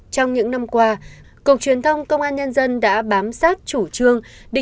trong những năm qua cục truyền thông công an nhân dân đã bám sát chủ trương